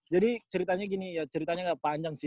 jadi ceritanya gini ceritanya gak panjang sih